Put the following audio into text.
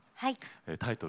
タイトル